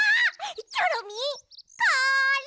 チョロミーこれ！